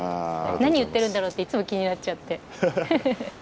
何を言っているんだろうっていつも気になっちゃってね。